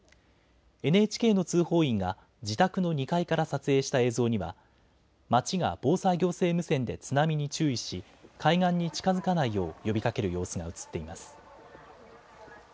ＮＨＫの通報員が自宅の２階から撮影した映像には町が防災行政無線で津波に注意し海岸に近づかないよう呼びかける様子が写っています。